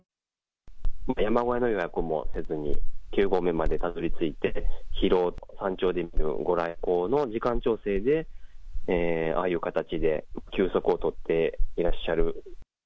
山小屋の予約もせずに、９合目までたどりついて、疲労、山頂で御来光の時間調整で、ああいう形で休息をとっていらっしゃる。